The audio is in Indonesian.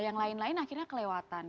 yang lain lain akhirnya kelewatan